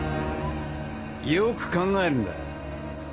よく考えるんだ。